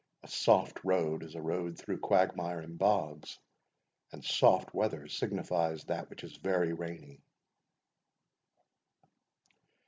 A SOFT road is a road through quagmire and bogs; and SOFT weather signifies that which is very rainy.